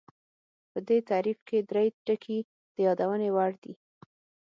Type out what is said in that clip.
په دې تعریف کې درې ټکي د یادونې وړ دي